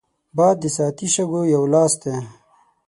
باد د ساعتي شګو یو لاس دی